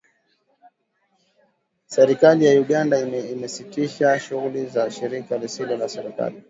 Serikali ya Uganda imesitisha shughuli za shirika lisilo la kiserikali